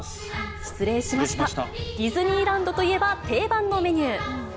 ディズニーランドといえば、定番のメニュー。